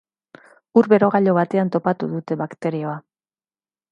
Ur-berogailu batean topatu dute bakterioa.